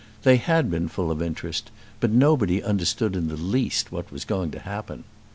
They had been full of interest, but nobody understood in the least what was going to happen.